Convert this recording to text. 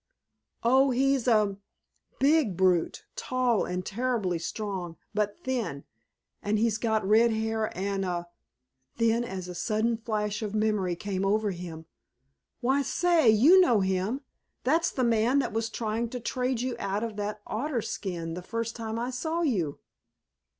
"Oh, he's a big brute, tall and terribly strong, but thin, and he's got red hair and a"—then as a sudden flash of memory came over him—"why, say, you know him! That's the man that was trying to trade you out of that otter skin the first time I saw you!"